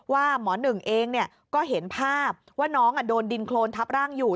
ว่าหมอหนึ่งเองก็เห็นภาพว่าน้องโดนดินโครนทับร่างอยู่